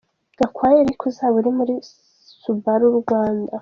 Gakwaya Eric uzaba uri muri Subaru-Rwanda.